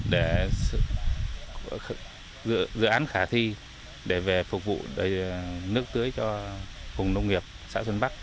và dự án khả thi để về phục vụ nước tưới cho phùng nông nghiệp xã xuân bắc